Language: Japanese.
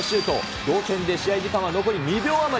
同点で試合時間は残り２秒余り。